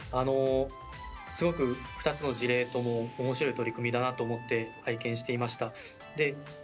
すごく２つの事例ともおもしろい取り組みだなと思って拝見していました。